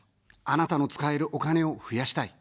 あなたの使えるお金を増やしたい。